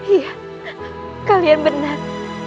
iya kalian benar